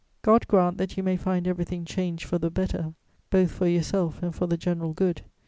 "God grant that you may find everything changed for the better, both for yourself and for the general good!